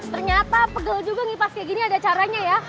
ternyata pegel juga ngipas kayak gini ada caranya ya